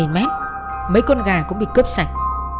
mấy con gà cũng bị cướp sạch